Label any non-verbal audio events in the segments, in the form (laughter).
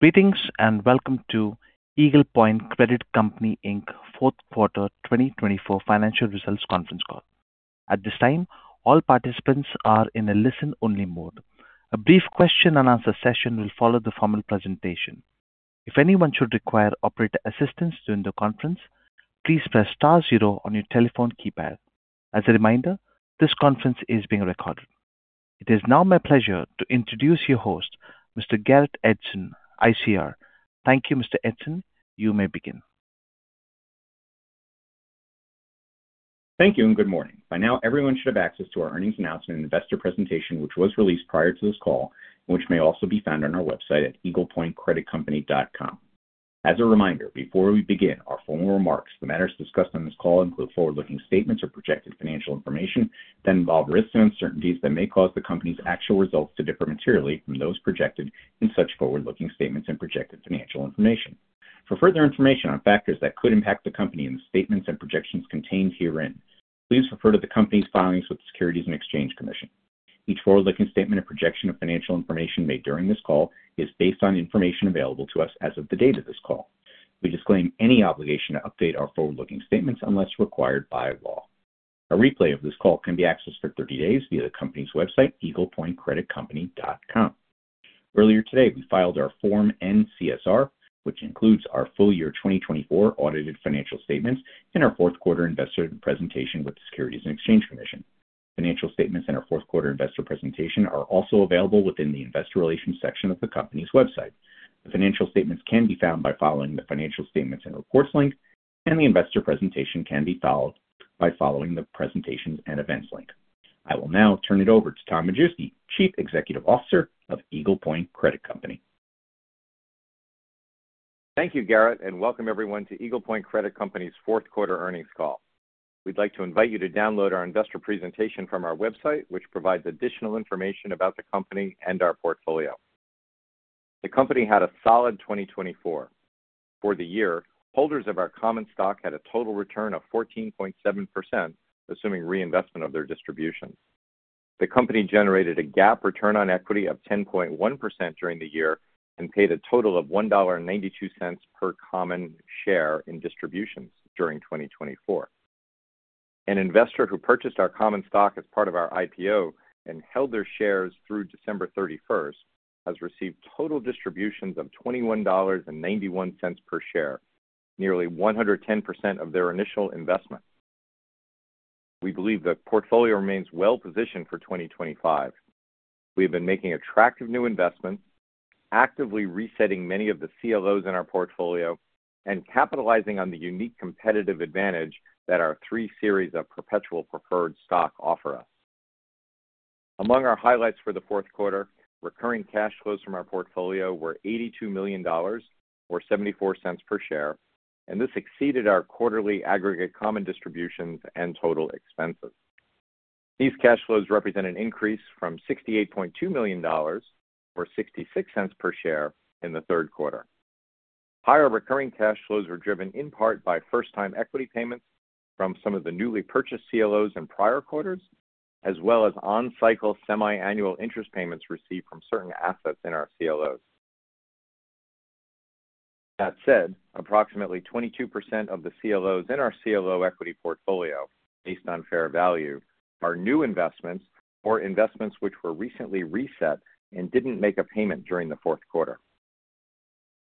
(audio distortion) This time, all participants are in a listen-only mode. A brief question and answer session will follow the formal presentation. If anyone should require operator assistance during the conference, please press star zero on your telephone keypad. As a reminder, this conference is being recorded. It is now my pleasure to introduce your host, Mr. Garrett Edson, ICR. Thank you, Mr. Edson. You may begin. Thank you and good morning. By now, everyone should have access to our earnings announcement and investor presentation, which was released prior to this call, and which may also be found on our website at eaglepointcreditcompany.com. As a reminder, before we begin, our formal remarks. The matters discussed on this call include forward-looking statements or projected financial information that involve risks and uncertainties that may cause the company's actual results to differ materially from those projected in such forward-looking statements and projected financial information. For further information on factors that could impact the company and the statements and projections contained herein. Please refer to the company's filings with the Securities and Exchange Commission. Each forward-looking statement and projection of financial information made during this call is based on information available to us as of the date of this call. We disclaim any obligation to update our forward-looking statements unless required by law. A replay of this call can be accessed for 30 days via the company's website, eaglepointcreditcompany.com. Earlier today, we filed our Form N-CSR, which includes our full year 2024 audited financial statements and our fourth quarter investor presentation with the Securities and Exchange Commission. Financial statements and our fourth quarter investor presentation are also available within the investor relations section of the company's website. The financial statements can be found by following the financial statements and reports link, and the investor presentation can be followed by following the presentations and events link. I will now turn it over to Tom Majewski, Chief Executive Officer of Eagle Point Credit Company. Thank you, Garrett, and welcome everyone to Eagle Point Credit Company's fourth quarter earnings call. We'd like to invite you to download our investor presentation from our website, which provides additional information about the company and our portfolio. The company had a solid 2024. For the year, holders of our common stock had a total return of 14.7%, assuming reinvestment of their distributions. The company generated a GAAP return on equity of 10.1% during the year and paid a total of $1.92 per common share in distributions during 2024. An investor who purchased our common stock as part of our IPO and held their shares through December 31st has received total distributions of $21.91 per share, nearly 110% of their initial investment. We believe the portfolio remains well positioned for 2025. We have been making attractive new investments, actively resetting many of the CLOs in our portfolio, and capitalizing on the unique competitive advantage that our three series of perpetual preferred stock offer us. Among our highlights for the fourth quarter, recurring cash flows from our portfolio were $82 million, or $0.74 per share, and this exceeded our quarterly aggregate common distributions and total expenses. These cash flows represent an increase from $68.2 million, or $0.66 per share, in the third quarter. Higher recurring cash flows were driven in part by first-time equity payments from some of the newly purchased CLOs in prior quarters, as well as on-cycle semi-annual interest payments received from certain assets in our CLOs. That said, approximately 22% of the CLOs in our CLO equity portfolio, based on fair value, are new investments or investments which were recently reset and didn't make a payment during the fourth quarter.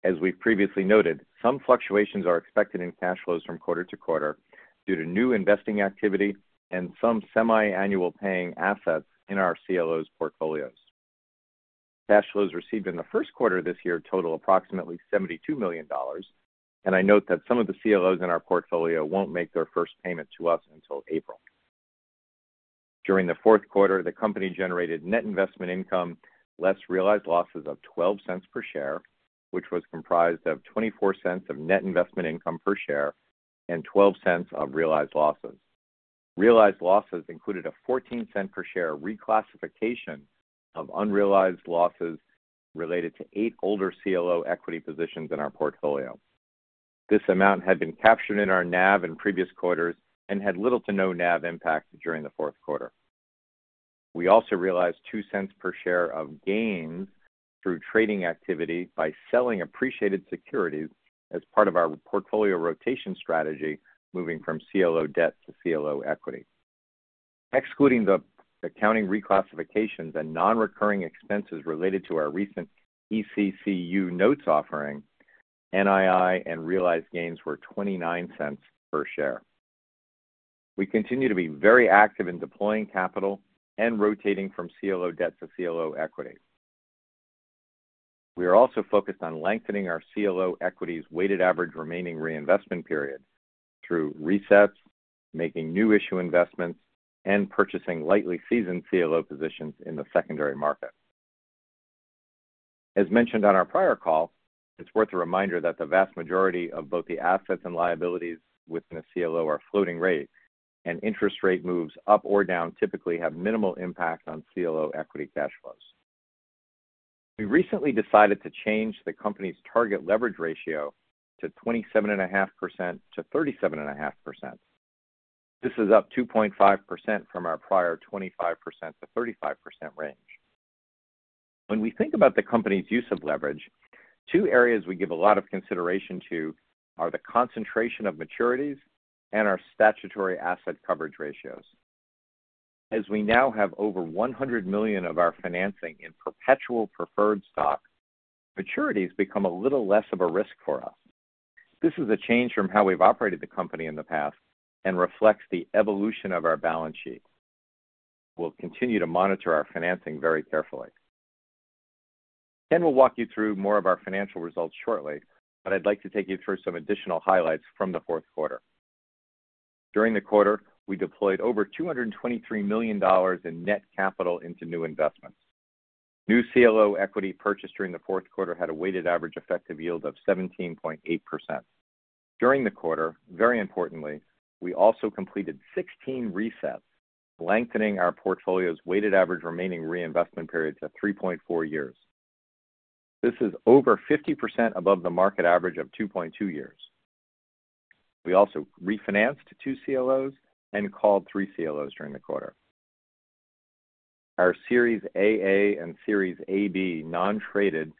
As we've previously noted, some fluctuations are expected in cash flows from quarter to quarter due to new investing activity and some semi-annual paying assets in our CLOs' portfolios. Cash flows received in the first quarter of this year total approximately $72 million, and I note that some of the CLOs in our portfolio won't make their first payment to us until April. During the fourth quarter, the company generated net investment income less realized losses of $0.12 per share, which was comprised of $0.24 of net investment income per share and $0.12 of realized losses. Realized losses included a $0.14 per share reclassification of unrealized losses related to eight older CLO equity positions in our portfolio. This amount had been captured in our NAV in previous quarters and had little to no NAV impact during the fourth quarter. We also realized $0.02 per share of gains through trading activity by selling appreciated securities as part of our portfolio rotation strategy, moving from CLO debt to CLO equity. Excluding the accounting reclassifications and non-recurring expenses related to our recent ECCU notes offering, NII and realized gains were $0.29 per share. We continue to be very active in deploying capital and rotating from CLO debt to CLO equity. We are also focused on lengthening our CLO equity's weighted average remaining reinvestment period through resets, making new issue investments, and purchasing lightly seasoned CLO positions in the secondary market. As mentioned on our prior call, it's worth a reminder that the vast majority of both the assets and liabilities within a CLO are floating rate, and interest rate moves up or down typically have minimal impact on CLO equity cash flows. We recently decided to change the company's target leverage ratio to 27.5%-37.5%. This is up 2.5% from our prior 25%-35% range. When we think about the company's use of leverage, two areas we give a lot of consideration to are the concentration of maturities and our statutory asset coverage ratios. As we now have over $100 million of our financing in perpetual preferred stock, maturities become a little less of a risk for us. This is a change from how we've operated the company in the past and reflects the evolution of our balance sheet. We'll continue to monitor our financing very carefully. Then we'll walk you through more of our financial results shortly, but I'd like to take you through some additional highlights from the fourth quarter. During the quarter, we deployed over $223 million in net capital into new investments. New CLO equity purchased during the fourth quarter had a weighted average effective yield of 17.8%. During the quarter, very importantly, we also completed 16 resets, lengthening our portfolio's weighted average remaining reinvestment period to 3.4 years. This is over 50% above the market average of 2.2 years. We also refinanced two CLOs and called three CLOs during the quarter. Our Series AA and Series AB non-traded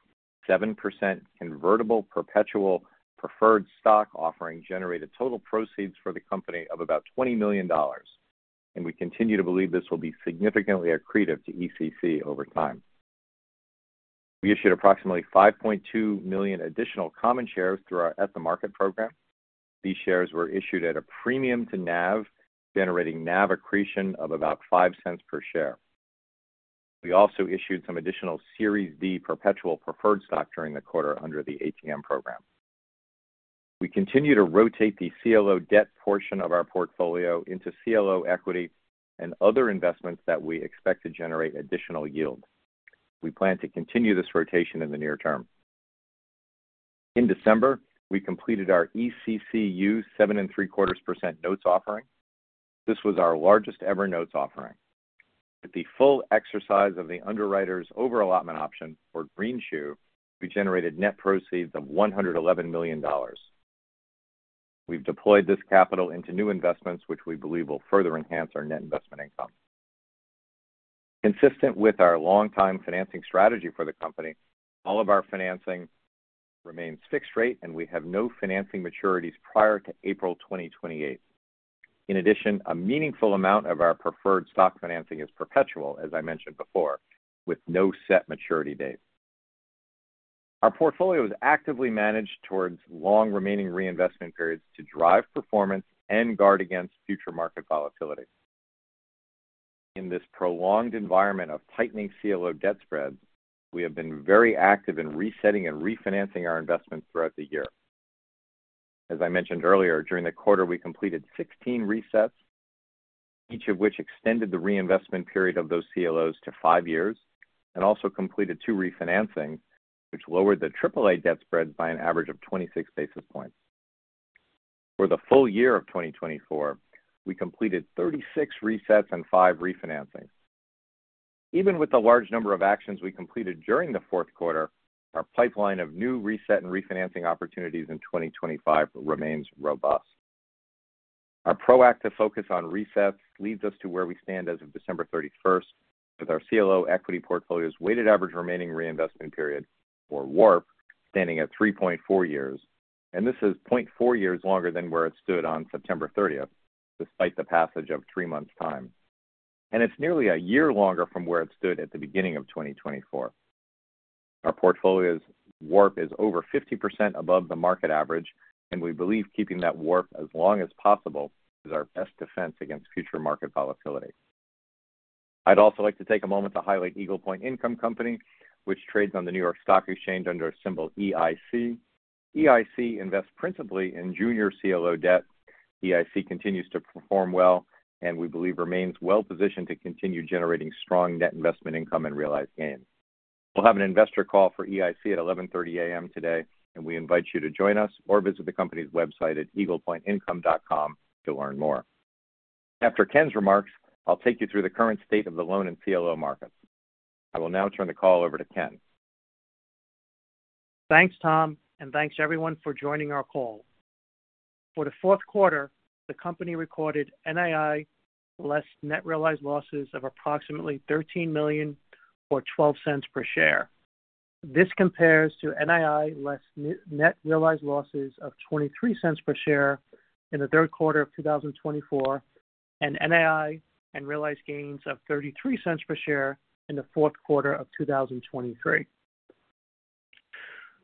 7% convertible perpetual preferred stock offering generated total proceeds for the company of about $20 million, and we continue to believe this will be significantly accretive to ECC over time. We issued approximately 5.2 million additional common shares through our at-the-market program. These shares were issued at a premium to NAV, generating NAV accretion of about $0.05 per share. We also issued some additional Series D perpetual preferred stock during the quarter under the ATM program. We continue to rotate the CLO debt portion of our portfolio into CLO equity and other investments that we expect to generate additional yield. We plan to continue this rotation in the near term. In December, we completed our ECCU 7.75% notes offering. This was our largest ever notes offering. With the full exercise of the underwriter's over-allotment option for greenshoe, we generated net proceeds of $111 million. We've deployed this capital into new investments, which we believe will further enhance our net investment income. Consistent with our long-time financing strategy for the company, all of our financing remains fixed-rate, and we have no financing maturities prior to April 2028. In addition, a meaningful amount of our preferred stock financing is perpetual, as I mentioned before, with no set maturity date. Our portfolio is actively managed towards long remaining reinvestment periods to drive performance and guard against future market volatility. In this prolonged environment of tightening CLO debt spreads, we have been very active in resetting and refinancing our investments throughout the year. As I mentioned earlier, during the quarter, we completed 16 resets, each of which extended the reinvestment period of those CLOs to five years and also completed two refinancings, which lowered the AAA debt spreads by an average of 26 basis points. For the full year of 2024, we completed 36 resets and five refinancings. Even with the large number of actions we completed during the fourth quarter, our pipeline of new reset and refinancing opportunities in 2025 remains robust. Our proactive focus on resets leads us to where we stand as of December 31st, with our CLO equity portfolio's weighted average remaining reinvestment period, or WARP, standing at 3.4 years, and this is 0.4 years longer than where it stood on September 30th, despite the passage of three months' time, and it's nearly a year longer from where it stood at the beginning of 2024. Our portfolio's WARP is over 50% above the market average, and we believe keeping that WARP as long as possible is our best defense against future market volatility. I'd also like to take a moment to highlight Eagle Point Income Company, which trades on the New York Stock Exchange under a symbol EIC. EIC invests principally in junior CLO debt. EIC continues to perform well, and we believe remains well positioned to continue generating strong net investment income and realized gains. We'll have an investor call for EIC at 11:30 A.M. today, and we invite you to join us or visit the company's website at eaglepointincome.com to learn more. After Ken's remarks, I'll take you through the current state of the loan and CLO markets. I will now turn the call over to Ken. Thanks, Tom, and thanks everyone for joining our call. For the fourth quarter, the company recorded NII less net realized losses of approximately $13 million or $0.12 per share. This compares to NII less net realized losses of $0.23 per share in the third quarter of 2024 and NII and realized gains of $0.33 per share in the fourth quarter of 2023.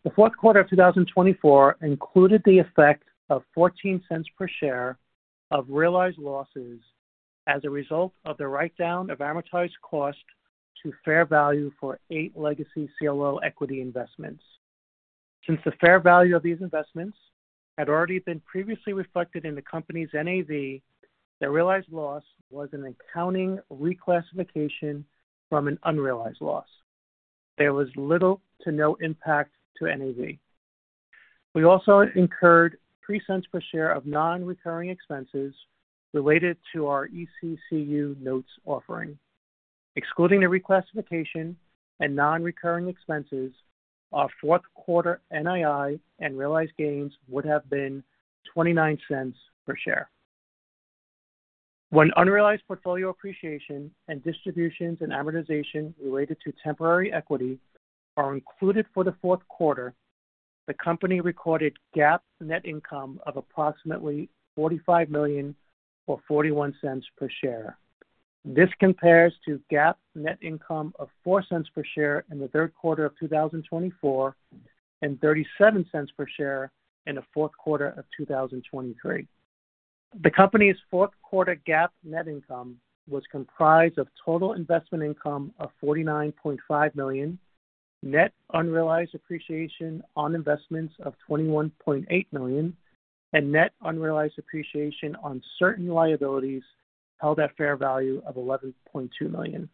The fourth quarter of 2024 included the effect of $0.14 per share of realized losses as a result of the write-down of amortized cost to fair value for eight legacy CLO equity investments. Since the fair value of these investments had already been previously reflected in the company's NAV, the realized loss was an accounting reclassification from an unrealized loss. There was little to no impact to NAV. We also incurred $0.03 per share of non-recurring expenses related to our ECCU notes offering. Excluding the reclassification and non-recurring expenses, our fourth quarter NII and realized gains would have been $0.29 per share. When unrealized portfolio appreciation and distributions and amortization related to temporary equity are included for the fourth quarter, the company recorded GAAP net income of approximately $45 million or $0.41 per share. This compares to GAAP net income of $0.04 per share in the third quarter of 2024 and $0.37 per share in the fourth quarter of 2023. The company's fourth quarter GAAP net income was comprised of total investment income of $49.5 million, net unrealized appreciation on investments of $21.8 million, and net unrealized appreciation on certain liabilities held at fair value of $11.2 million,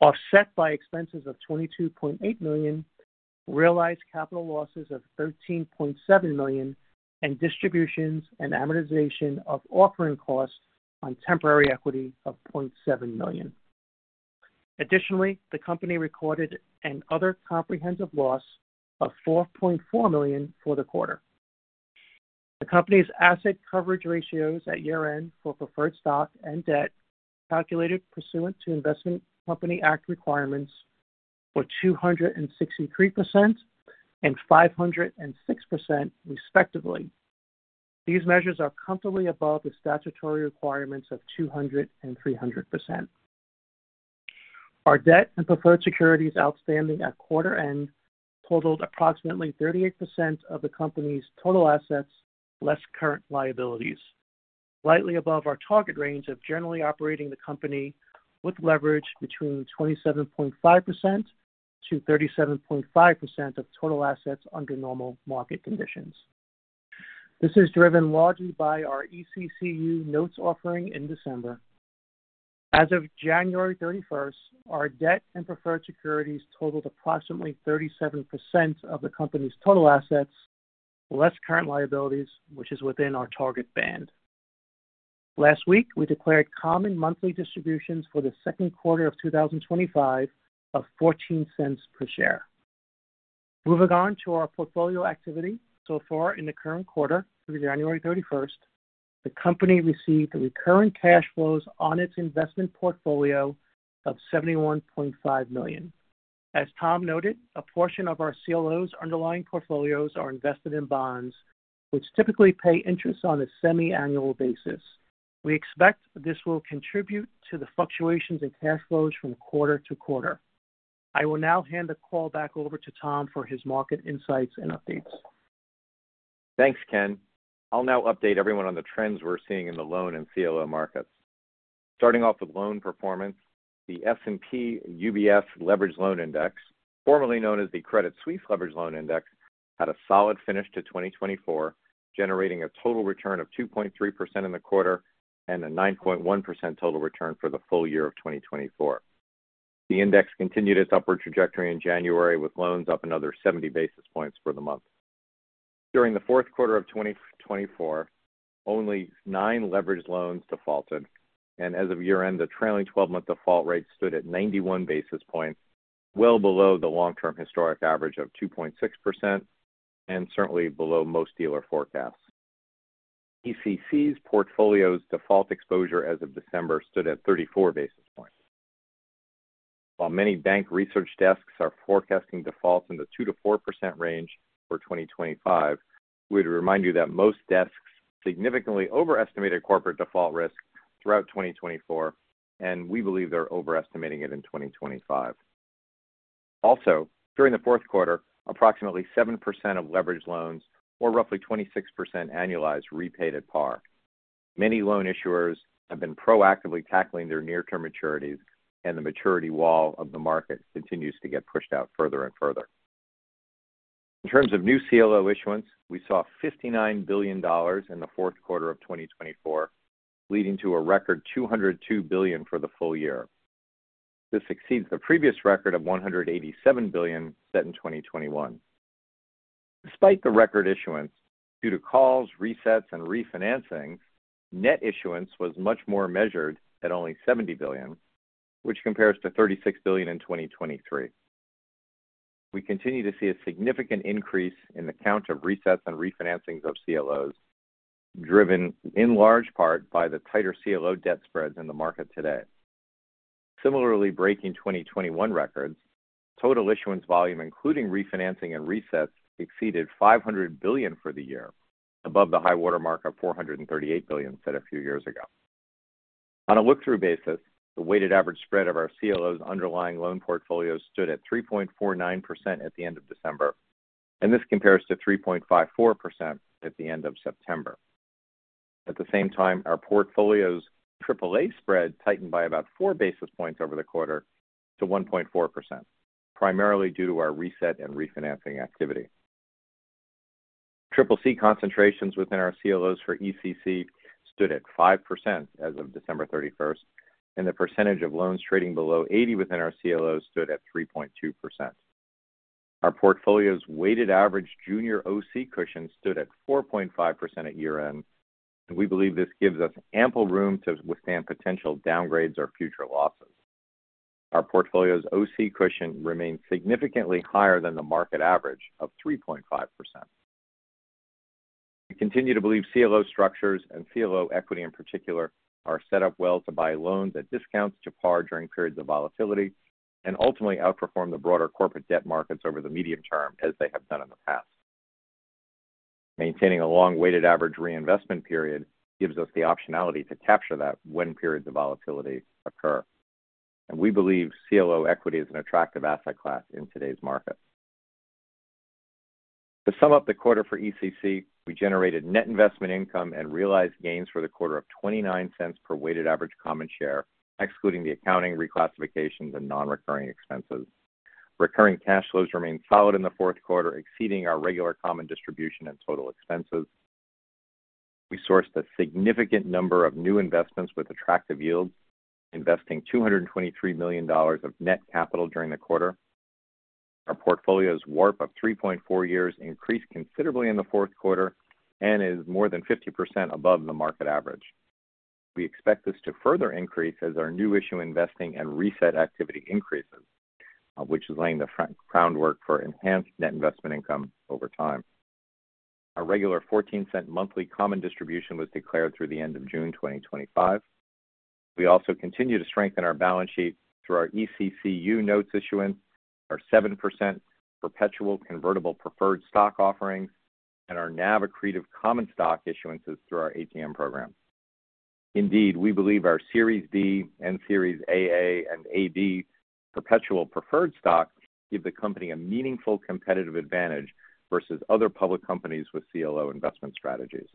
offset by expenses of $22.8 million, realized capital losses of $13.7 million, and distributions and amortization of offering costs on temporary equity of $0.7 million. Additionally, the company recorded other comprehensive loss of $4.4 million for the quarter. The company's asset coverage ratios at year-end for preferred stock and debt calculated pursuant to Investment Company Act requirements were 263% and 506%, respectively. These measures are comfortably above the statutory requirements of 200% and 300%. Our debt and preferred securities outstanding at quarter-end totaled approximately 38% of the company's total assets less current liabilities, slightly above our target range of generally operating the company with leverage between 27.5%-37.5% of total assets under normal market conditions. This is driven largely by our ECCU notes offering in December. As of January 31st, our debt and preferred securities totaled approximately 37% of the company's total assets less current liabilities, which is within our target band. Last week, we declared common monthly distributions for the second quarter of 2025 of $0.14 per share. Moving on to our portfolio activity. So far, in the current quarter, through January 31st, the company received recurring cash flows on its investment portfolio of $71.5 million. As Tom noted, a portion of our CLO's underlying portfolios are invested in bonds, which typically pay interest on a semi-annual basis. We expect this will contribute to the fluctuations in cash flows from quarter-to-quarter. I will now hand the call back over to Tom for his market insights and updates. Thanks, Ken. I'll now update everyone on the trends we're seeing in the loan and CLO markets. Starting off with loan performance, the S&P/UBS Leveraged Loan Index, formerly known as the Credit Suisse Leveraged Loan Index, had a solid finish to 2024, generating a total return of 2.3% in the quarter and a 9.1% total return for the full year of 2024. The index continued its upward trajectory in January, with loans up another 70 basis points for the month. During the fourth quarter of 2024, only nine leveraged loans defaulted, and as of year-end, the trailing 12-month default rate stood at 91 basis points, well below the long-term historic average of 2.6% and certainly below most dealer forecasts. ECC's portfolio's default exposure as of December stood at 34 basis points. While many bank research desks are forecasting defaults in the 2%-4% range for 2025, we'd remind you that most desks significantly overestimated corporate default risk throughout 2024, and we believe they're overestimating it in 2025. Also, during the fourth quarter, approximately 7% of leveraged loans were roughly 26% annualized repaid at par. Many loan issuers have been proactively tackling their near-term maturities, and the maturity wall of the market continues to get pushed out further and further. In terms of new CLO issuance, we saw $59 billion in the fourth quarter of 2024, leading to a record $202 billion for the full year. This exceeds the previous record of $187 billion set in 2021. Despite the record issuance, due to calls, resets, and refinancings, net issuance was much more measured at only $70 billion, which compares to $36 billion in 2023. We continue to see a significant increase in the count of resets and refinancings of CLOs, driven in large part by the tighter CLO debt spreads in the market today. Similarly, breaking 2021 records, total issuance volume, including refinancing and resets, exceeded $500 billion for the year, above the high-water mark of $438 billion set a few years ago. On a look-through basis, the weighted average spread of our CLO's underlying loan portfolios stood at 3.49% at the end of December, and this compares to 3.54% at the end of September. At the same time, our portfolio's AAA spread tightened by about four basis points over the quarter to 1.4%, primarily due to our reset and refinancing activity. CCC concentrations within our CLOs for ECC stood at 5% as of December 31st, and the percentage of loans trading below $80 within our CLOs stood at 3.2%. Our portfolio's weighted average junior OC cushion stood at 4.5% at year-end, and we believe this gives us ample room to withstand potential downgrades or future losses. Our portfolio's OC cushion remains significantly higher than the market average of 3.5%. We continue to believe CLO structures and CLO equity in particular are set up well to buy loans at discounts to par during periods of volatility and ultimately outperform the broader corporate debt markets over the medium term as they have done in the past. Maintaining a long weighted average reinvestment period gives us the optionality to capture that when periods of volatility occur, and we believe CLO equity is an attractive asset class in today's market. To sum up the quarter for ECC, we generated net investment income and realized gains for the quarter of $0.29 per weighted average common share, excluding the accounting, reclassifications, and non-recurring expenses. Recurring cash flows remained solid in the fourth quarter, exceeding our regular common distribution and total expenses. We sourced a significant number of new investments with attractive yields, investing $223 million of net capital during the quarter. Our portfolio's WARP of 3.4 years increased considerably in the fourth quarter and is more than 50% above the market average. We expect this to further increase as our new issue investing and reset activity increases, which is laying the groundwork for enhanced net investment income over time. Our regular $0.14 monthly common distribution was declared through the end of June 2025. We also continue to strengthen our balance sheet through our ECCU notes issuance, our 7% perpetual convertible preferred stock offerings, and our NAV accretive common stock issuances through our ATM program. Indeed, we believe our Series B and Series AA and AB perpetual preferred stocks give the company a meaningful competitive advantage versus other public companies with CLO investment strategies.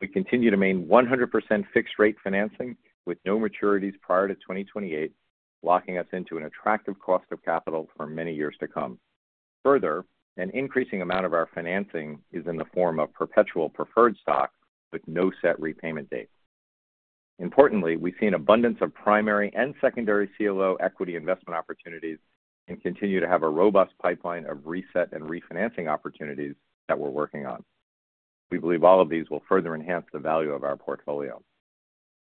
We continue to maintain 100% fixed-rate financing with no maturities prior to 2028, locking us into an attractive cost of capital for many years to come. Further, an increasing amount of our financing is in the form of perpetual preferred stock with no set repayment date. Importantly, we see an abundance of primary and secondary CLO equity investment opportunities and continue to have a robust pipeline of reset and refinancing opportunities that we're working on. We believe all of these will further enhance the value of our portfolio.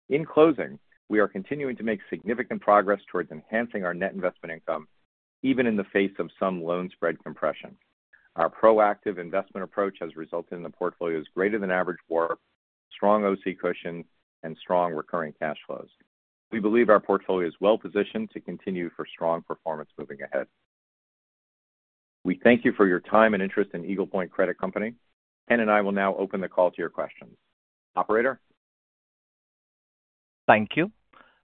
In closing, we are continuing to make significant progress towards enhancing our net investment income, even in the face of some loan spread compression. Our proactive investment approach has resulted in the portfolio's greater-than-average WARP, strong OC cushions, and strong recurring cash flows. We believe our portfolio is well positioned to continue for strong performance moving ahead. We thank you for your time and interest in Eagle Point Credit Company. Ken and I will now open the call to your questions. Operator? Thank you.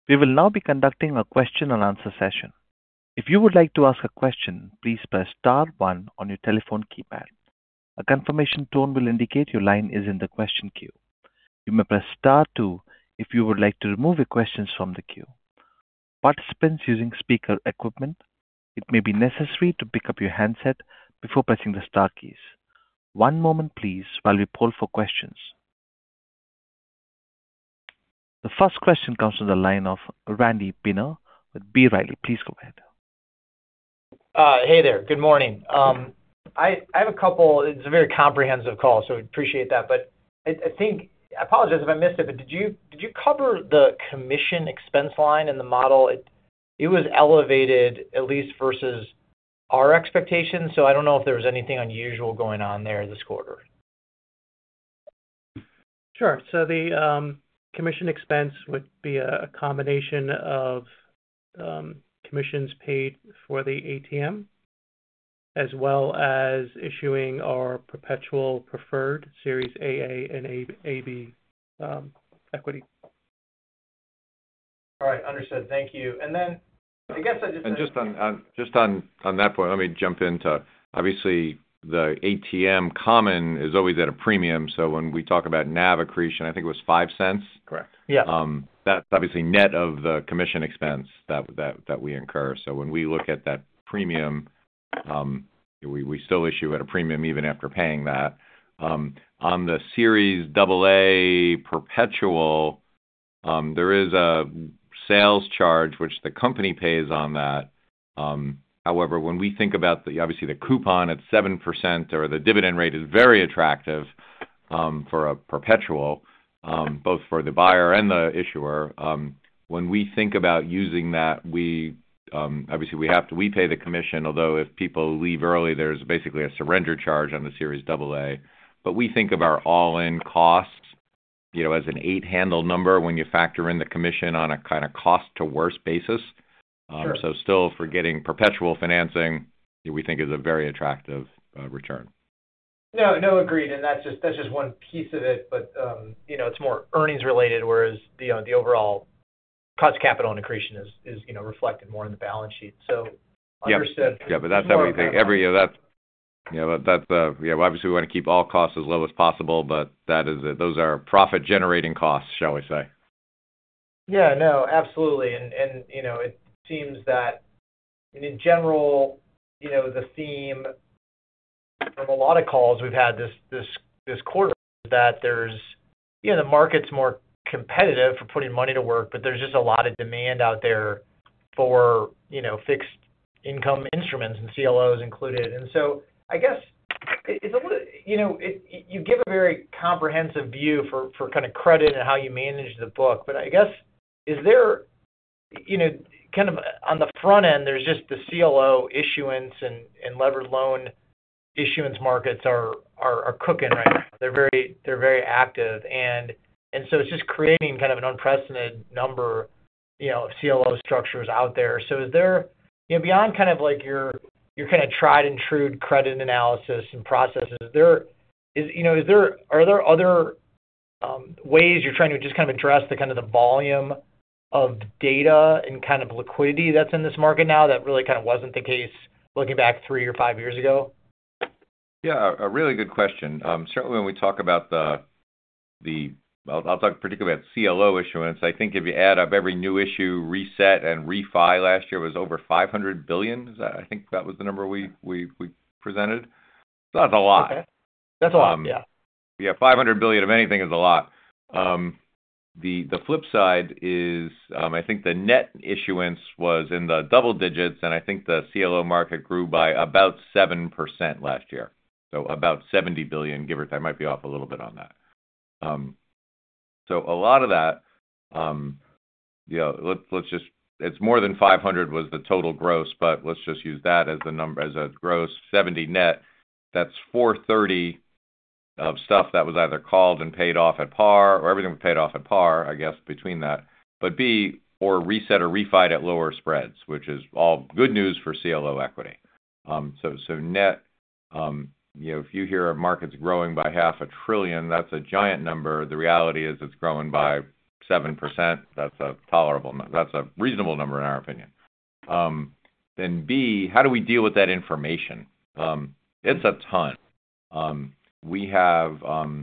We will now be conducting a question and answer session. If you would like to ask a question, please press star one on your telephone keypad. A confirmation tone will indicate your line is in the question queue. You may press star two if you would like to remove your questions from the queue. For participants using speaker equipment, it may be necessary to pick up your handset before pressing the star keys. One moment, please, while we poll for questions. The first question comes from the line of Randy Binner with B. Riley. Please go ahead. Hey there. Good morning. I have a couple, it's a very comprehensive call, so we appreciate that. But I think, I apologize if I missed it, but did you cover the commission expense line in the model? It was elevated, at least versus our expectations, so I don't know if there was anything unusual going on there this quarter. Sure. So the commission expense would be a combination of commissions paid for the ATM, as well as issuing our perpetual preferred Series AA and AB equity. All right. Understood. Thank you. And then I guess I just. And just on that point, let me jump in. Obviously, the ATM common is always at a premium. So when we talk about NAV accretion, I think it was $0.05? Correct. Yes. That's obviously net of the commission expense that we incur. So when we look at that premium, we still issue at a premium even after paying that. On the Series AA perpetual, there is a sales charge which the company pays on that. However, when we think about, obviously, the coupon at 7% or the dividend rate is very attractive for a perpetual, both for the buyer and the issuer. When we think about using that, obviously, we pay the commission, although if people leave early, there's basically a surrender charge on the Series AA. But we think of our all-in cost as an eight-handle number when you factor in the commission on a kind of cost-to-worst basis. So still, for getting perpetual financing, we think is a very attractive return. No, agreed, and that's just one piece of it, but it's more earnings-related, whereas the overall cost of capital and accretion is reflected more in the balance sheet, so understood. Yeah. But that's how we think. Yeah. Obviously, we want to keep all costs as low as possible, but those are profit-generating costs, shall we say. Yeah. No, absolutely. And it seems that, in general, the theme from a lot of calls we've had this quarter is that the market's more competitive for putting money to work, but there's just a lot of demand out there for fixed-income instruments and CLOs included. And so I guess it's a little. You give a very comprehensive view for kind of credit and how you manage the book. But I guess, kind of on the front end, there's just the CLO issuance and leveraged loan issuance markets are cooking right now. They're very active. And so it's just creating kind of an unprecedented number of CLO structures out there. Beyond kind of your kind of tried-and-true credit analysis and processes, are there other ways you're trying to just kind of address the kind of volume of data and kind of liquidity that's in this market now that really kind of wasn't the case looking back three or five years ago? Yeah. A really good question. Certainly, when we talk about the. I'll talk particularly about CLO issuance. I think if you add up every new issue, reset, and refi last year, it was over $500 billion. I think that was the number we presented. So that's a lot. Okay. That's a lot. Yeah. Yeah. $500 billion, if anything, is a lot. The flip side is, I think the net issuance was in the double digits, and I think the CLO market grew by about 7% last year. So about $70 billion. Give or take, I might be off a little bit on that. So a lot of that, let's just, it's more than $500 billion was the total gross, but let's just use that as a gross. $70 billion net, that's $430 billion of stuff that was either called and paid off at par or everything was paid off at par, I guess, between that. But B, or reset or refi at lower spreads, which is all good news for CLO equity. So net, if you hear markets growing by $500 billion, that's a giant number. The reality is it's growing by 7%. That's a tolerable, that's a reasonable number in our opinion. Then, B, how do we deal with that information? It's a ton. We have our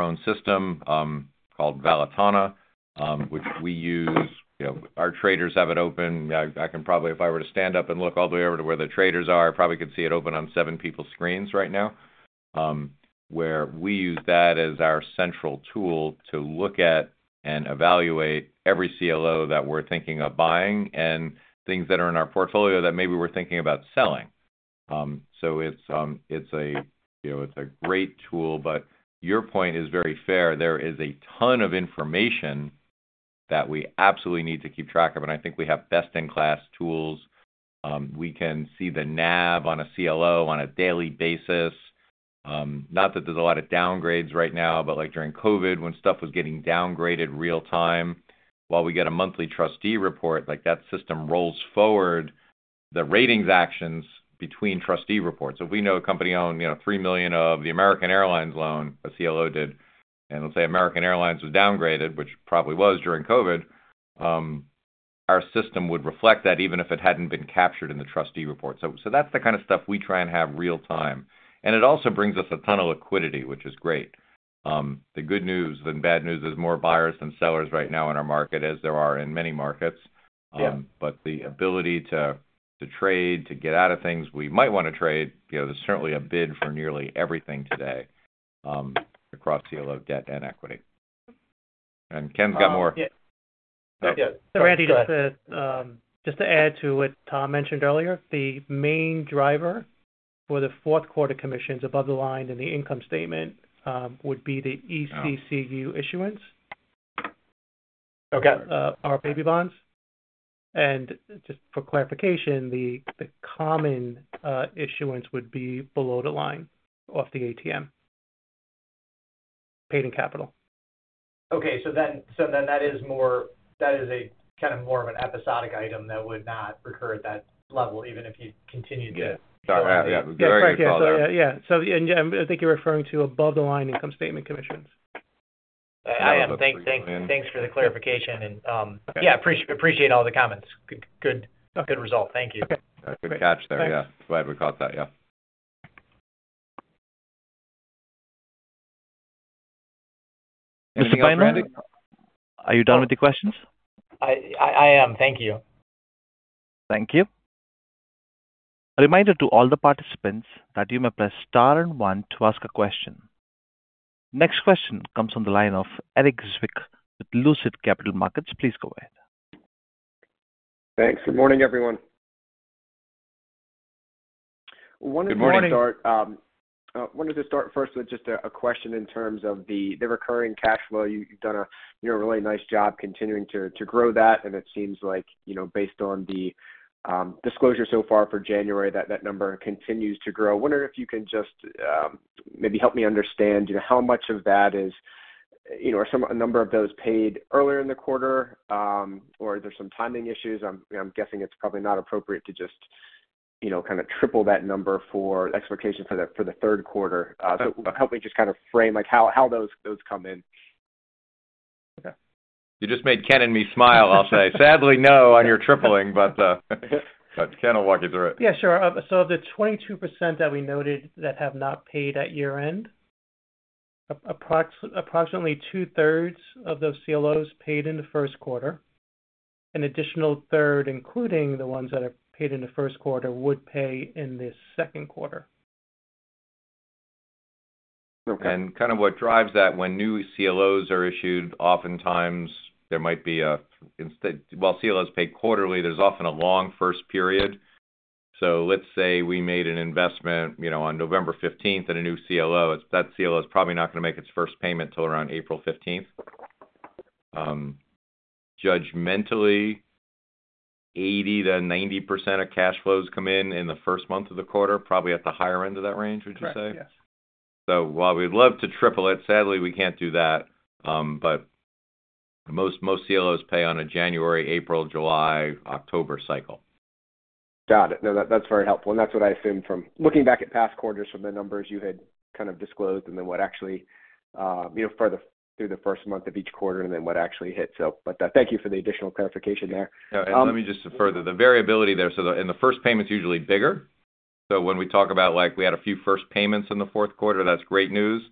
own system called Valitana, which we use. Our traders have it open. I can probably, if I were to stand up and look all the way over to where the traders are, I probably could see it open on seven people's screens right now, where we use that as our central tool to look at and evaluate every CLO that we're thinking of buying and things that are in our portfolio that maybe we're thinking about selling. So it's a great tool, but your point is very fair. There is a ton of information that we absolutely need to keep track of, and I think we have best-in-class tools. We can see the NAV on a CLO on a daily basis. Not that there's a lot of downgrades right now, but during COVID, when stuff was getting downgraded real-time while we get a monthly trustee report, that system rolls forward the ratings actions between trustee reports. If we know a company owned $3 million of the American Airlines loan, a CLO did, and let's say American Airlines was downgraded, which probably was during COVID, our system would reflect that even if it hadn't been captured in the trustee report. So that's the kind of stuff we try and have real-time. And it also brings us a ton of liquidity, which is great. The good news and bad news is more buyers than sellers right now in our market, as there are in many markets. But the ability to trade, to get out of things we might want to trade. There's certainly a bid for nearly everything today across CLO debt and equity. And Ken's got more. So Randy, just to add to what Tom mentioned earlier, the main driver for the fourth quarter commissions above the line in the income statement would be the ECCU issuance for our baby bonds. And just for clarification, the common issuance would be below the line of the ATM paid-in capital. Okay. So then that is a kind of more of an episodic item that would not recur at that level, even if you continued to. Yeah. Sorry. Yeah. That's right, Ken. Yeah. Yeah. So I think you're referring to above-the-line income statement commissions. I am. Thanks for the clarification. And yeah, appreciate all the comments. Good result. Thank you. Okay. Good catch there. Yeah. Glad we caught that. Yeah. Mr. Binner, are you done with the questions? I am. Thank you. Thank you. A reminder to all the participants that you may press star one to ask a question. Next question comes from the line of Erik Zwick with Lucid Capital Markets. Please go ahead. Thanks. Good morning, everyone. Good morning. Wonderful to start first with just a question in terms of the recurring cash flow. You've done a really nice job continuing to grow that. And it seems like, based on the disclosure so far for January, that number continues to grow. I wonder if you can just maybe help me understand how much of that is a number of those paid earlier in the quarter, or are there some timing issues? I'm guessing it's probably not appropriate to just kind of triple that number for expectations for the third quarter. So help me just kind of frame how those come in. Okay. You just made Ken and me smile, I'll say. Sadly, no on your tripling, but Ken'll walk you through it. Yeah. Sure. So, of the 22% that we noted that have not paid at year-end, approximately 2/3 of those CLOs paid in the first quarter. An additional third, including the ones that are paid in the first quarter, would pay in this second quarter. Kind of what drives that, when new CLOs are issued, oftentimes there might be a long first period, while CLOs pay quarterly, there's often a long first period. So let's say we made an investment on November 15th in a new CLO, that CLO is probably not going to make its first payment till around April 15th. Judgmentally, 80%-90% of cash flows come in in the first month of the quarter, probably at the higher end of that range, would you say? Correct. Yes. So while we'd love to triple it, sadly, we can't do that. But most CLOs pay on a January, April, July, October cycle. Got it. No, that's very helpful, and that's what I assumed from looking back at past quarters from the numbers you had kind of disclosed and then what actually flowed through the first month of each quarter and then what actually hit. But thank you for the additional clarification there. Let me just further the variability there. In the first payments, usually bigger. When we talk about, we had a few first payments in the fourth quarter, that's great news.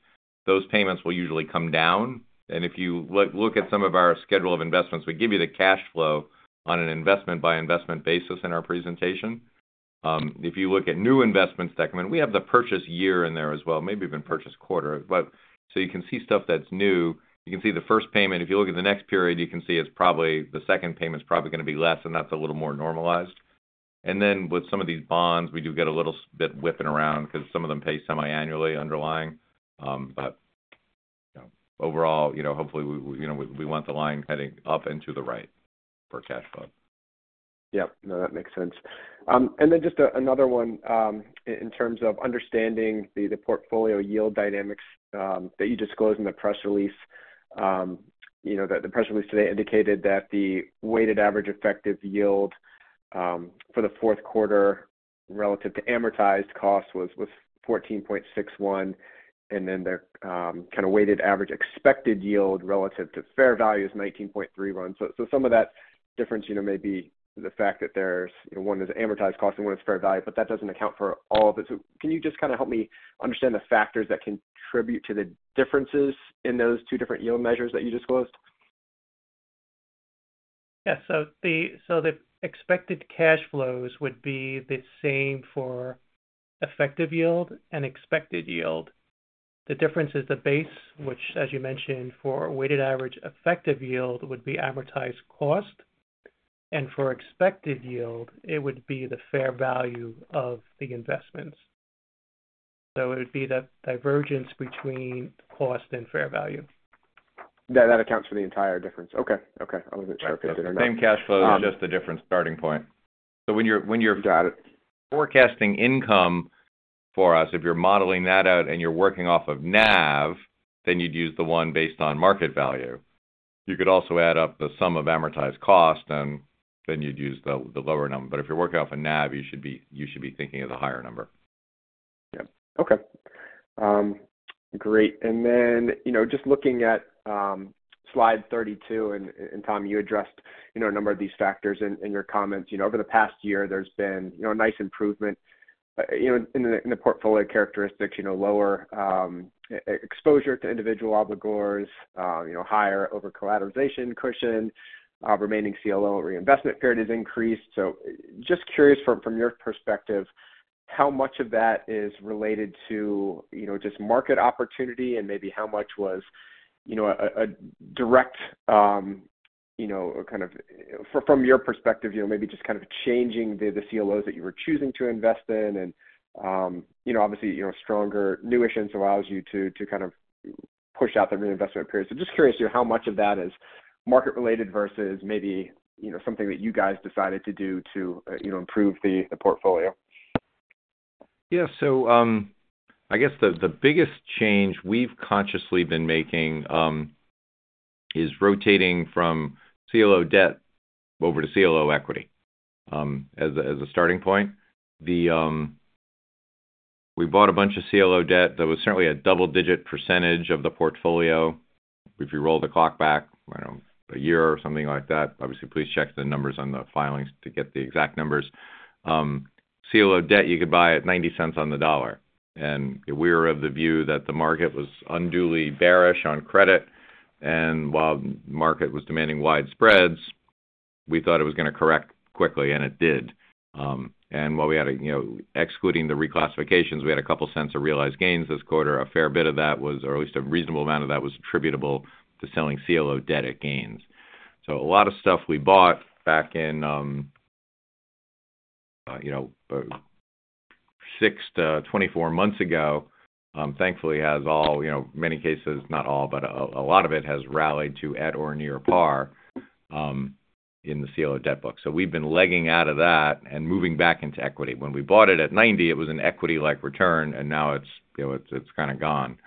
Those payments will usually come down. If you look at some of our schedule of investments, we give you the cash flow on an investment-by-investment basis in our presentation. If you look at new investments that come in, we have the purchase year in there as well, maybe even purchase quarter. You can see stuff that's new. You can see the first payment. If you look at the next period, you can see it's probably the second payment's going to be less, and that's a little more normalized, and then with some of these bonds, we do get a little bit whipping around because some of them pay semi-annually underlying. But overall, hopefully, we want the line heading up and to the right for cash flow. Yep. No, that makes sense. And then just another one in terms of understanding the portfolio yield dynamics that you disclosed in the press release. The press release today indicated that the weighted average effective yield for the fourth quarter relative to amortized cost was 14.61%. And then the kind of weighted average expected yield relative to fair value is 19.31%. So some of that difference may be the fact that one is amortized cost and one is fair value, but that doesn't account for all of it. So can you just kind of help me understand the factors that contribute to the differences in those two different yield measures that you disclosed? Yeah. So the expected cash flows would be the same for effective yield and expected yield. The difference is the base, which, as you mentioned, for weighted average effective yield would be amortized cost. And for expected yield, it would be the fair value of the investments. So it would be the divergence between cost and fair value. That accounts for the entire difference. Okay. Okay. I wasn't sure if it did or not. Same cash flows, just the different starting point, so when you're forecasting income for us, if you're modeling that out and you're working off of NAV, then you'd use the one based on market value. You could also add up the sum of amortized cost, and then you'd use the lower number, but if you're working off of NAV, you should be thinking of the higher number. Yep. Okay. Great. And then just looking at slide 32, and Tom, you addressed a number of these factors in your comments. Over the past year, there's been a nice improvement in the portfolio characteristics, lower exposure to individual obligors, higher over-collateralization cushion, remaining CLO reinvestment period has increased. So just curious, from your perspective, how much of that is related to just market opportunity and maybe how much was a direct kind of, from your perspective, maybe just kind of changing the CLOs that you were choosing to invest in and obviously stronger new issuance allows you to kind of push out the reinvestment period. So just curious how much of that is market-related versus maybe something that you guys decided to do to improve the portfolio. Yeah. So I guess the biggest change we've consciously been making is rotating from CLO debt over to CLO equity as a starting point. We bought a bunch of CLO debt that was certainly a double-digit percentage of the portfolio. If you roll the clock back, I don't know, a year or something like that, obviously, please check the numbers on the filings to get the exact numbers. CLO debt, you could buy at $0.90 on the dollar. And we were of the view that the market was unduly bearish on credit. And while the market was demanding wide spreads, we thought it was going to correct quickly, and it did. And while we had, excluding the reclassifications, we had a couple of cents of realized gains this quarter. A fair bit of that was, or at least a reasonable amount of that was attributable to selling CLO debt at gains. So a lot of stuff we bought back in six to 24 months ago, thankfully, has all, in many cases, not all, but a lot of it has rallied to at or near par in the CLO debt book. So we've been legging out of that and moving back into equity. When we bought it at $0.90, it was an equity-like return, and now it's kind of gone.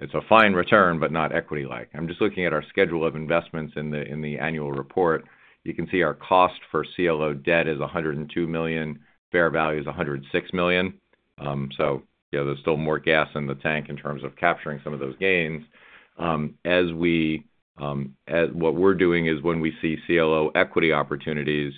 It's a fine return, but not equity-like. I'm just looking at our schedule of investments in the annual report. You can see our cost for CLO debt is $102 million. Fair value is $106 million. So there's still more gas in the tank in terms of capturing some of those gains. What we're doing is when we see CLO equity opportunities,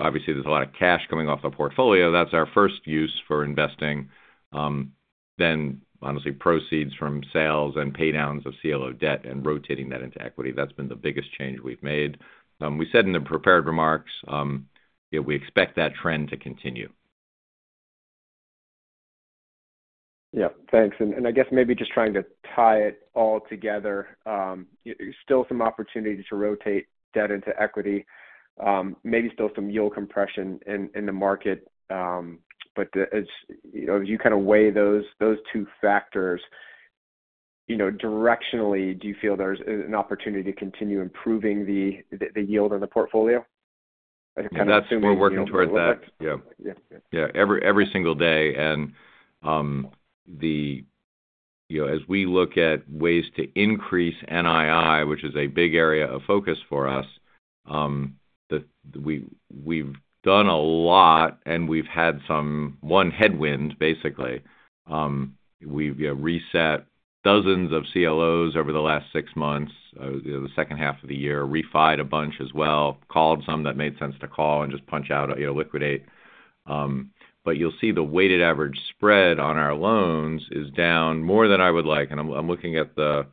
obviously, there's a lot of cash coming off the portfolio. That's our first use for investing. Then, honestly, proceeds from sales and paydowns of CLO debt and rotating that into equity. That's been the biggest change we've made. We said in the prepared remarks, we expect that trend to continue. Yep. Thanks. And I guess maybe just trying to tie it all together, still some opportunity to rotate debt into equity, maybe still some yield compression in the market. But as you kind of weigh those two factors, directionally, do you feel there's an opportunity to continue improving the yield on the portfolio? We're working towards that. Yeah. Yeah. Every single day. And as we look at ways to increase NII, which is a big area of focus for us, we've done a lot, and we've had some one headwind, basically. We've reset dozens of CLOs over the last six months, the second half of the year, refi'd a bunch as well, called some that made sense to call and just punch out, liquidate. But you'll see the weighted average spread on our loans is down more than I would like. And I'm looking at the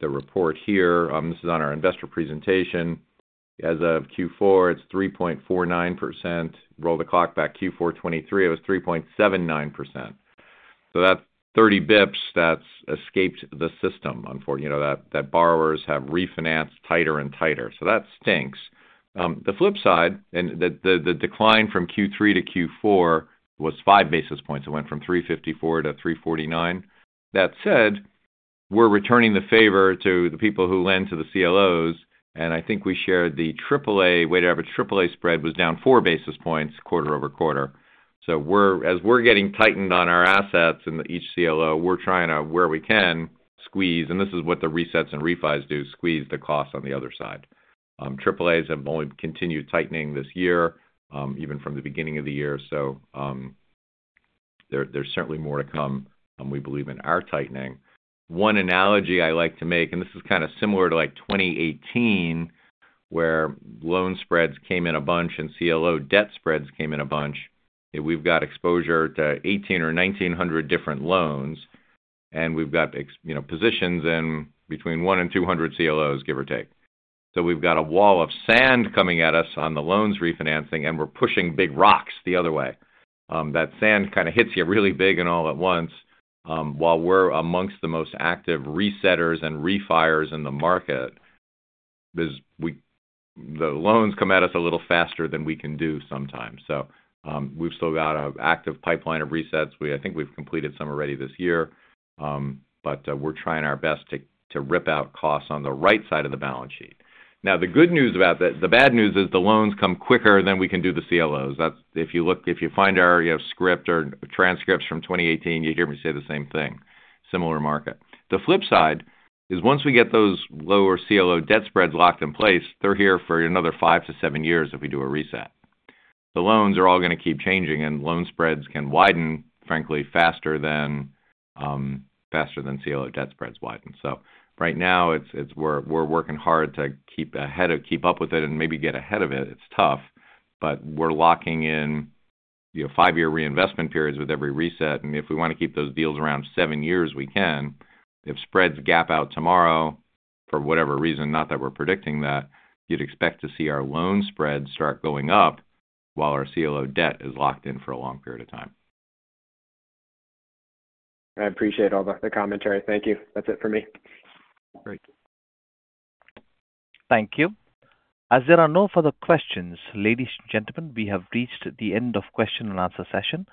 report here. This is on our investor presentation. As of Q4, it's 3.49%. Roll the clock back. Q4 2023, it was 3.79%. So that's 30 basis points that's escaped the system, unfortunately, that borrowers have refinanced tighter and tighter. So that stinks. The flip side, and the decline from Q3 to Q4 was five basis points. It went from 3.54% to 3.49%. That said, we're returning the favor to the people who lend to the CLOs. And I think we shared the AAA weighted average AAA spread was down four basis points quarter-over-quarter. So as we're getting tightened on our assets in each CLO, we're trying to, where we can, squeeze. And this is what the resets and refis do, squeeze the cost on the other side. AAAs have only continued tightening this year, even from the beginning of the year. So there's certainly more to come, we believe, in our tightening. One analogy I like to make, and this is kind of similar to 2018, where loan spreads came in a bunch and CLO debt spreads came in a bunch. We've got exposure to 1,800 or 1,900 different loans, and we've got positions in between one and 200 CLOs, give or take. So we've got a wall of sand coming at us on the loans refinancing, and we're pushing big rocks the other way. That sand kind of hits you really big and all at once. While we're amongst the most active resetters and refis in the market, the loans come at us a little faster than we can do sometimes. So we've still got an active pipeline of resets. I think we've completed some already this year, but we're trying our best to rip out costs on the right side of the balance sheet. Now, the good news about that, the bad news is the loans come quicker than we can do the CLOs. If you find our script or transcripts from 2018, you hear me say the same thing, similar market. The flip side is once we get those lower CLO debt spreads locked in place, they're here for another five to seven years if we do a reset. The loans are all going to keep changing, and loan spreads can widen, frankly, faster than CLO debt spreads widen. So right now, we're working hard to keep ahead of, keep up with it, and maybe get ahead of it. It's tough, but we're locking in five-year reinvestment periods with every reset. And if we want to keep those deals around seven years, we can. If spreads gap out tomorrow for whatever reason, not that we're predicting that, you'd expect to see our loan spreads start going up while our CLO debt is locked in for a long period of time. I appreciate all the commentary. Thank you. That's it for me. Great. Thank you. As there are no further questions, ladies and gentlemen, we have reached the end of the question and answer session.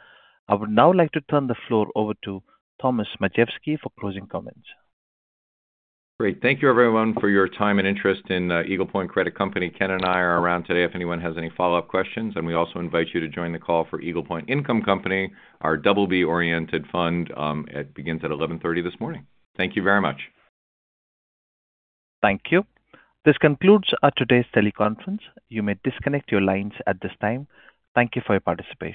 I would now like to turn the floor over to Thomas Majewski for closing comments. Great. Thank you, everyone, for your time and interest in Eagle Point Credit Company. Ken and I are around today if anyone has any follow-up questions. And we also invite you to join the call for Eagle Point Income Company, our BB-oriented fund. It begins at 11:30 A.M. Thank you very much. Thank you. This concludes today's teleconference. You may disconnect your lines at this time. Thank you for your participation.